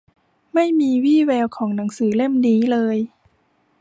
ไม่มีวี่แววของหนังสือเล่มนี้เลย